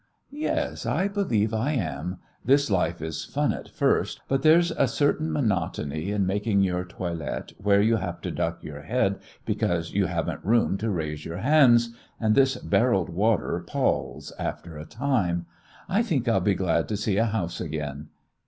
"Yes, I believe I am. This life is fun at first, but there's a certain monotony in making your toilet where you have to duck your head because you haven't room to raise your hands, and this barrelled water palls after a time. I think I'll be glad to see a house again.